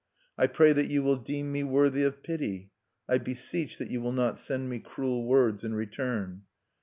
I pray that you will deem me worthy of pity; I beseech that you will not send me cruel words in return.